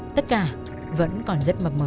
tất cả vẫn còn rất mập mờ